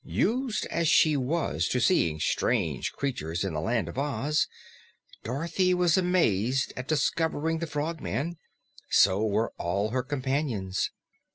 Used as she was to seeing strange creatures in the Land of Oz, Dorothy was amazed at discovering the Frogman. So were all her companions.